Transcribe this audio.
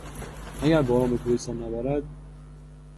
اگر باران به کوهستان نبارد...